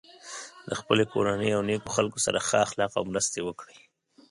د خپل کورنۍ او نیکو خلکو سره ښه اخلاق او مرستې وکړی.